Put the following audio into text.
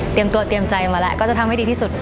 เตรียมใจมาแล้วก็จะทำให้ดีที่สุด